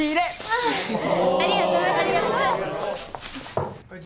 ありがとうございます。